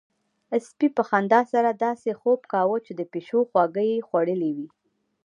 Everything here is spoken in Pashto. سپي په خندا سره داسې خوب کاوه چې د پيشو خواږه يې خوړلي وي.